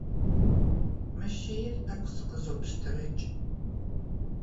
Мы шейр тӏэкӏу къызопщтырэкӏ.